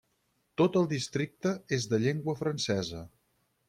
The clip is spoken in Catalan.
Tot el districte és de llengua francesa.